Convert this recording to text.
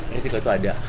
risiko itu ada